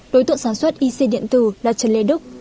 đối tượng sản xuất yc điện tử là trần lê đức